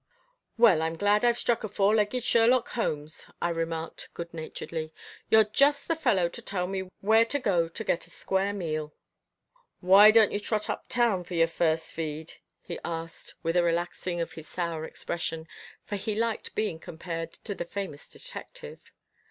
"Well, I'm glad I've struck a four legged Sherlock Holmes," I remarked good naturedly. "You're just the fellow to tell me where to go to get a square meal." "Why don't you trot uptown for your first feed?" he asked with a relaxing of his sour expression, for he liked being compared to the famous detective.